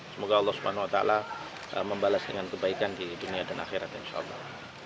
semoga allah swt membalas dengan kebaikan di dunia dan akhirat insya allah